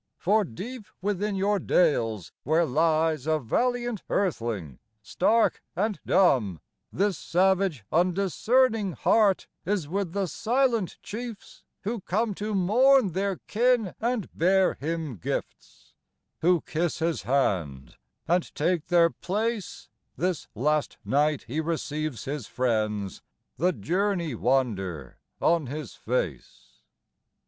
For deep within your dales, where lies A valiant earthling stark and dumb, This savage undiscerning heart Is with the silent chiefs who come To mourn their kin and bear him gifts, Who kiss his hand, and take their place, This last night he receives his friends, The journey wonder on his face.